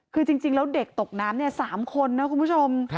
คือจริงแล้วเด็กตกน้ำ๓คนนะคุณผู้ชม